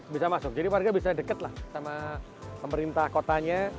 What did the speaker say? bisa masuk jadi warga bisa dekat lah sama pemerintah kotanya